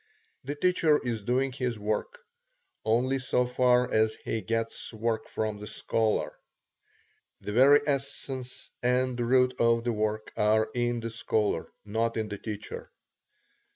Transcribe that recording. The teacher is doing his work, only so far as he gets work from the scholar. The very essence and root of the work are in the scholar, not in the teacher.